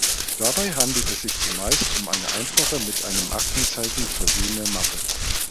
Dabei handelt es sich zumeist um eine einfache, mit einem Aktenzeichen versehene Mappe.